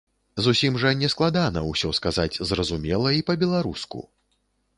Зусім жа не складана ўсё сказаць зразумела і па-беларуску.